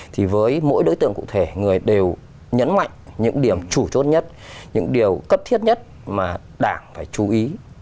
thì với mỗi đối tượng cụ thể người đều nhấn mạnh những điểm chủ chốt nhất những điều cấp thiết nhất mà đảng phải chú ý